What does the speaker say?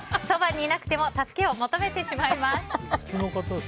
そばにいなくても助けを求めてしまいます。